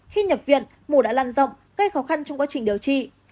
khi nhập viện mù đã lan rộng gây khó khăn trong quá trình điều trị